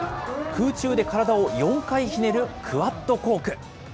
空中で体を４回ひねるクワッドコーク。